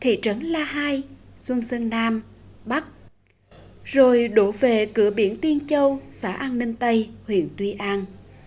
thị trấn la hai xuân sơn nam bắc rồi đổ về cửa biển tiên châu xã an ninh tây huyện tuy an